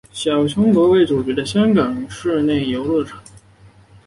小熊国为主角的香港室内游乐场。